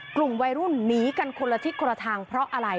กลุ่มวัยรุ่นหนีกันคนละทิศคนละทางเพราะอะไร